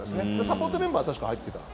サポートメンバーは確か入ってた。